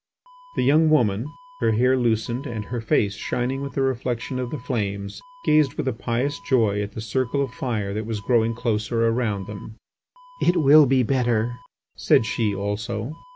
The young woman, her hair loosened and her face shining with the reflection of the flames, gazed with a pious joy at the circle of fire that was growing closer around them. "It will be better," said she also.